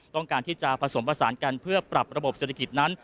ต้องการที่จะผสมผสานกันเพื่อปรับระบบเศรษฐกิจนั้น